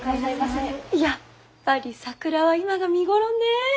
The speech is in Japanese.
やっぱり桜は今が見頃ね。